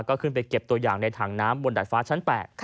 ก็ขึ้นไปเก็บตัวอย่างในถังน้ำบนดาดฟ้าชั้น๘